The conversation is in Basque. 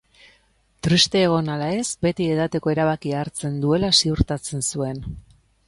Triste egon ala ez, beti edateko erabakia hartzen duela ziurtatu zuen.